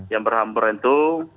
yang berhamburan itu